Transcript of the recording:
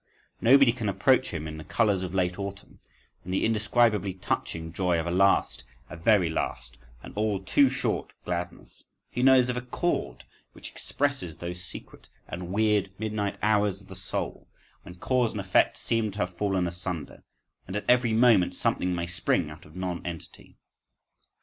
Nobody can approach him in the colours of late autumn, in the indescribably touching joy of a last, a very last, and all too short gladness; he knows of a chord which expresses those secret and weird midnight hours of the soul, when cause and effect seem to have fallen asunder, and at every moment something may spring out of nonentity.